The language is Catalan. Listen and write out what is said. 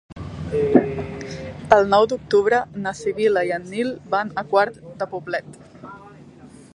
El nou d'octubre na Sibil·la i en Nil van a Quart de Poblet.